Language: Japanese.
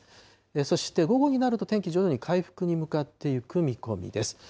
そして午後になると、天気徐々に回復に向かっていく見込みです。